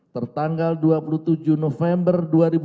tertanggal dua puluh tujuh november dua ribu tujuh belas